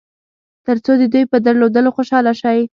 تر څو د دوی په درلودلو خوشاله شئ.